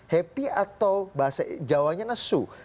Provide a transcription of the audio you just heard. happy atau bahasa jawa nya nesu